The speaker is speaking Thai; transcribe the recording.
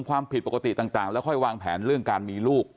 ความผิดปกติต่างแล้วค่อยวางแผนเรื่องการมีลูก